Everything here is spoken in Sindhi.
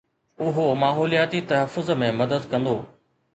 اهو ماحولياتي تحفظ ۾ مدد ڪندو.